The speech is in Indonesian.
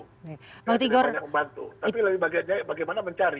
tidak banyak membantu tapi bagaimana mencari